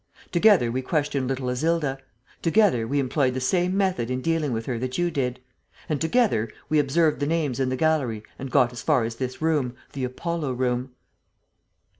Together we questioned little Isilda; together, we employed the same method in dealing with her that you did; and together we observed the names in the gallery and got as far as this room, the Apollo Room."